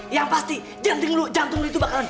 yang pasti jantung lo bakalan dak di duk dak di duk